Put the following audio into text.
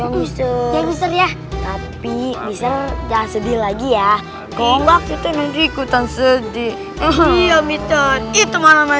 mister mister ya tapi bisa sedih lagi ya kalau kita ikutan sedih itu malam